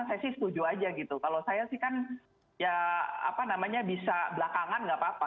saya sih setuju aja gitu kalau saya sih kan ya apa namanya bisa belakangan gak apa apa